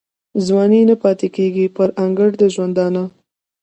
ځواني نه پاته کیږي پر انګړ د ژوندانه